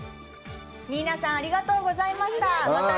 ニーナさん、ありがとうございました。